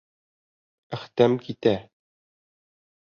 Әхтәм китә.